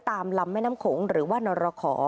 ตามลำแม่น้ำโขงหรือว่านรขอ